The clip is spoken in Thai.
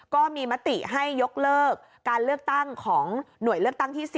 ก็มีมติให้ยกเลิกการเลือกตั้งของหน่วยเลือกตั้งที่๔